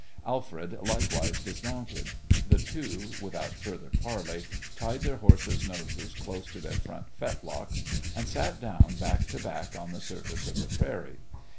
Alfred likewise dismounted. The two, without further parley, tied their horses' noses close to their front fetlocks, and sat down back to back on the surface of the prairie.